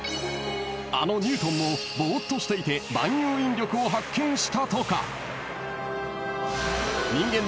［あのニュートンもボーっとしていて万有引力を発見したとか］